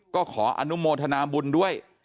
ก็ขออนุโมทนาบุญด้วย